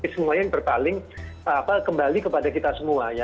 semuanya yang berpaling kembali kepada kita semua ya